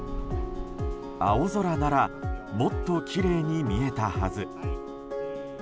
青空ならもっときれいに見えたはず。